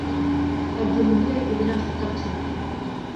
একজন মহিলা এই কেবিনে আসতে চাচ্ছেন।